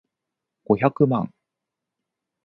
五百万